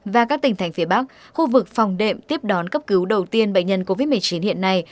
và các tỉnh thành phía bắc khu vực phòng đệm tiếp đón cấp cứu đầu tiên bệnh nhân covid một mươi chín hiện nay